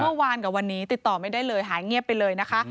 เมื่อวานกับวันนี้ติดต่อไม่ได้เลยหายเงียบไปเลยนะคะ